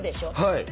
はい。